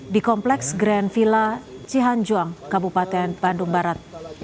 di kompleks grand villa cihanjuang kabupaten bandung barat